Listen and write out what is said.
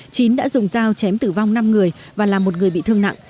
chín đã dùng dao chém tử vong năm người và là một người bị thương nặng